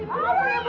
ibu tahan ya ibu